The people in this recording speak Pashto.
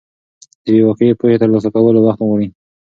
د یوې واقعي پوهې ترلاسه کول وخت غواړي.